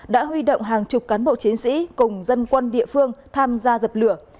đã huy động hàng chục cán bộ chiến sĩ cùng dân quân địa phương tham gia dập lửa